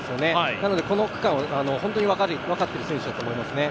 なのでこの区間、本当に分かっている選手だと思いますね。